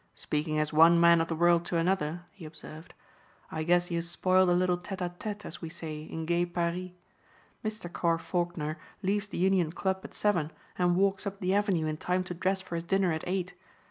"Speaking as one man of the world to another," he observed, "I guess you spoiled a little tête à tête as we say in gay Paree. Mr. Carr Faulkner leaves the Union Club at seven and walks up the Avenue in time to dress for his dinner at eight.